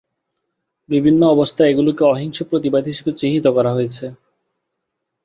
বিভিন্ন অবস্থায় এগুলোকে অহিংস প্রতিবাদ হিসেবে চিহ্নিত করা হয়েছে।